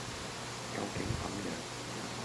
究竟怎樣；